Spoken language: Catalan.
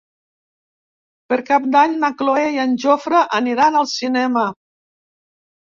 Per Cap d'Any na Cloè i en Jofre aniran al cinema.